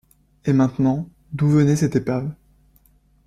Et maintenant, d’où venait cette épave?